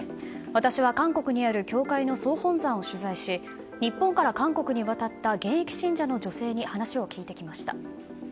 私は、韓国にある教会の総本山を取材し日本から韓国に渡った現役信者の女性に話を聞いてきました。